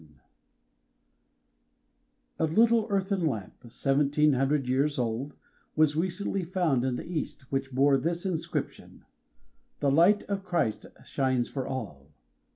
_" "A little earthen lamp, 1700 years old, was recently found in the East, which bore this inscription 'The light of Christ shines for all.